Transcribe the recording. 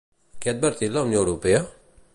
Què ha advertit la Unió Europea?